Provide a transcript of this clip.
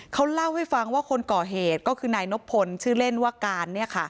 เขาเล่าให้ฟังว่าคนก่อเหตุก็คือนายนบพลชื่อเล่นว่าการ